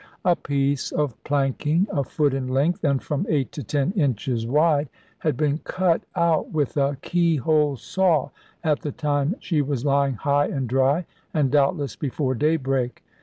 A piece of planking a foot in length and from eight to ten inches wide had been cut out with a key hole saw, at the time she was lying high and dry, and doubtless before daybreak.